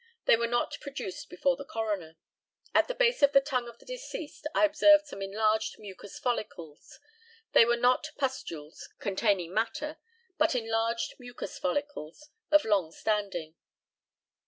They were not produced before the coroner. At the base of the tongue of the deceased I observed some enlarged mucous follicles; they were not pustules containing matter, but enlarged mucous follicles of long standing.